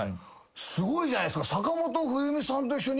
すごいじゃないですか。